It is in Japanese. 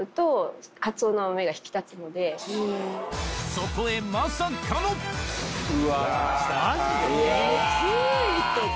そこへまさかのうわ。